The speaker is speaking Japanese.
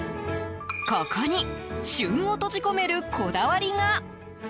ここに旬を閉じ込めるこだわりが。